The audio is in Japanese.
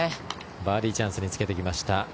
バーディーチャンスにつけてきました。